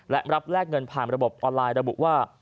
และรับแลกเงินผ่านระบบออนไลน์ระบุว่า